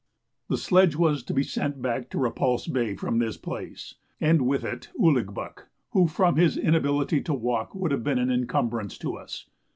The sledge was to be sent back to Repulse Bay from this place, and with it Ouligbuck, who from his inability to walk would have been an incumbrance to us.